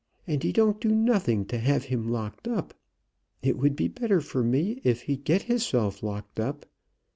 And he don't do nothing to have him locked up. It would be better for me if he'd get hisself locked up.